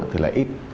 thì là ít